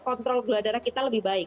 kontrol gula darah kita lebih baik